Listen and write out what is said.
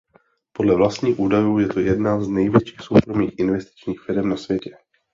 Podle vlastních údajů je to jedna z největších soukromých investičních firem na světě.